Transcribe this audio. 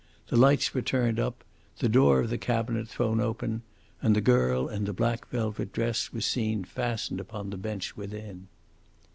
The lights were turned up, the door of the cabinet thrown open, and the girl in the black velvet dress was seen fastened upon the bench within.